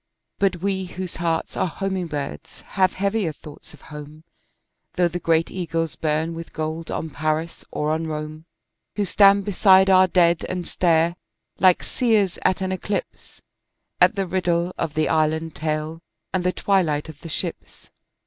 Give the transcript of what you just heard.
But we whose hearts are homing birds have heavier thoughts of home, Though the great eagles burn with gold on Paris or on Rome, Who stand beside our dead and stare, like seers at an eclipse, At the riddle of the island tale and the twilight of the ships.